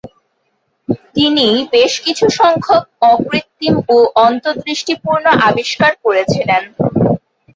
তিনি "বেশ কিছু সংখ্যক অকৃত্রিম ও অন্তদৃষ্টিপূর্ণ আবিষ্কার করেছিলেন।